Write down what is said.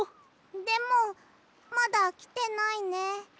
でもまだきてないね。